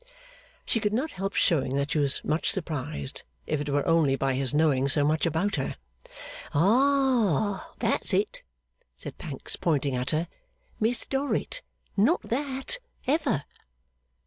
She could not help showing that she was much surprised, if it were only by his knowing so much about her. 'Ah! That's it!' said Pancks, pointing at her. 'Miss Dorrit, not that, ever!